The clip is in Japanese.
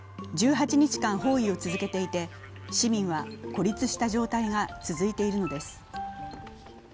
１８日間包囲を続けていて市民は孤立した状態が続いているのです。